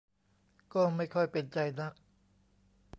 ก็ไม่ค่อยเป็นใจนัก